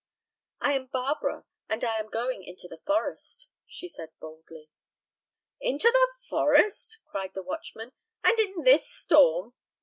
"I am Barbara, and I am going into the forest," said she, boldly. "Into the forest?" cried the watchman, "and in this storm?